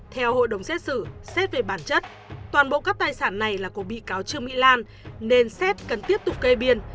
theo hội đồng xét xử xét về bản chất toàn bộ các tài sản này là của bị cáo trương mỹ lan nên xét cần tiếp tục kê biên